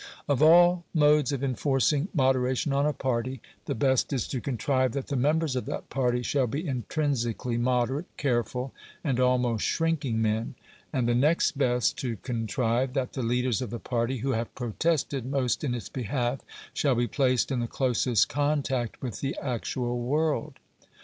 Of all modes of enforcing moderation on a party, the best is to contrive that the members of that party shall be intrinsically moderate, careful, and almost shrinking men; and the next best to contrive that the leaders of the party, who have protested most in its behalf, shall be placed in the closest contact with the actual world.